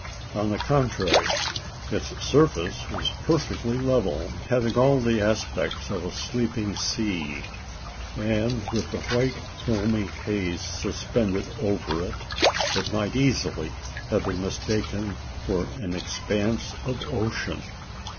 On the contrary, its surface was perfectly level having all the aspect of a sleeping sea; and with the white filmy haze suspended over it, it might easily have been mistaken for an expanse of ocean.